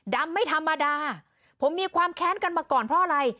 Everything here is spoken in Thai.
ไม่ธรรมดาผมมีความแค้นกันมาก่อนเพราะอะไร